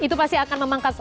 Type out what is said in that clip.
itu pasti akan memangkat